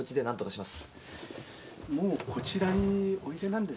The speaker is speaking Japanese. もうこちらにおいでなんですが。